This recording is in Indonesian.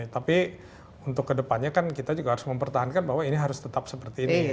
tapi untuk kedepannya kan kita juga harus mempertahankan bahwa ini harus tetap seperti ini